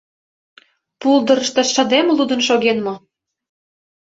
Пулдырышто шыдем лудын шоген мо?